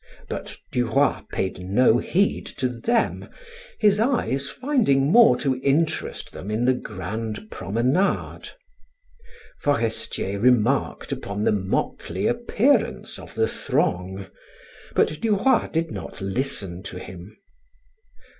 But Duroy paid no heed to them, his eyes finding more to interest them in the grand promenade. Forestier remarked upon the motley appearance of the throng, but Duroy did not listen to him.